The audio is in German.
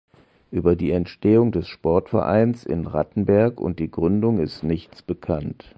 Über die Entstehung des Sportvereins in Rattenberg und die Gründung ist nichts bekannt.